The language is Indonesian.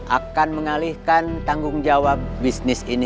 akan mengalihkan tanggung jawab bisnis ini